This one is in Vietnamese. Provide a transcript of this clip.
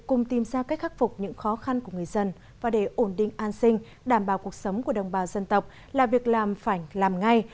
cùng tìm ra cách khắc phục những khó khăn của người dân và để ổn định an sinh đảm bảo cuộc sống của đồng bào dân tộc là việc làm phải làm ngay